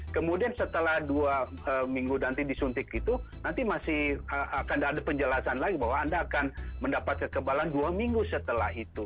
kemudian setelah dua minggu nanti disuntik itu nanti masih akan ada penjelasan lagi bahwa anda akan mendapat kekebalan dua minggu setelah itu